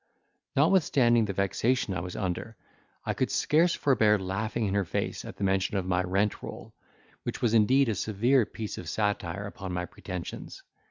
Notwithstanding the vexation I was under, I could scarce forbear laughing in her face at the mention of my rent roll, which was indeed a severe piece of satire upon my pretensions.